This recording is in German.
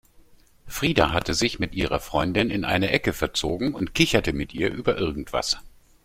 Frida hatte sich mit ihrer Freundin in eine Ecke verzogen und kicherte mit ihr über irgendwas.